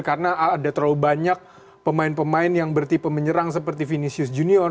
karena ada terlalu banyak pemain pemain yang bertipe menyerang seperti vinicius junior